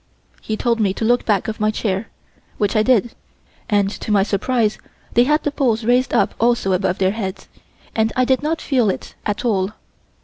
He told me to look back of my chair, which I did, and to my surprise they had the poles raised up also above their heads, and I did not feel it at all.